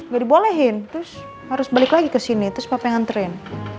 gak dibolehin terus harus balik lagi kesini terus papa yang anterin